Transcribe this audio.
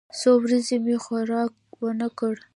څو ورځې مې خوراک ونه کړ.